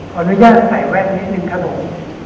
ขออนุญาตใส่แว่นนิดนึงครับผม